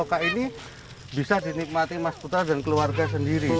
luka ini bisa dinikmati mas putra dan keluarga sendiri